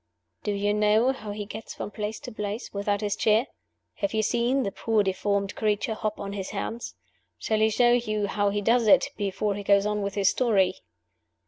Do you know how he gets from place to place without his chair? Have you seen the poor deformed creature hop on his hands? Shall he show you how he does it, before he goes on with his story?"